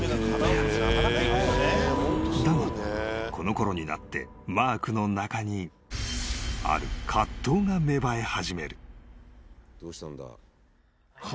［だがこのころになってマークの中にある葛藤が芽生え始める］